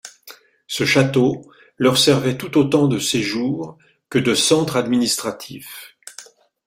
Ce château leur servait tout autant de séjour que de centre administratif.